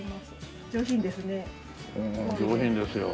上品ですよ。